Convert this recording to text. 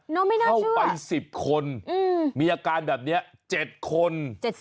เข้าไป๑๐คนมีอาการแบบนี้๗คน